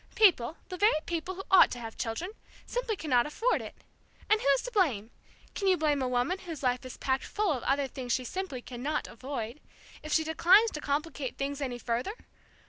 People the very people who ought to have children simply cannot afford it! And who's to blame? Can you blame a woman whose life is packed full of other things she simply cannot avoid, if she declines to complicate things any further?